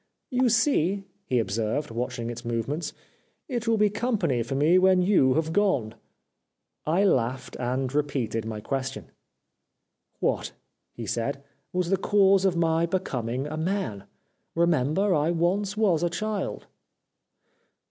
' You see,' he observed, watching its movements, ' it will be company for me when you have gone.' I laughed, and repeated my question. "' What/ he said, 'was the cause of my be coming a man ? Remember I once was a child.'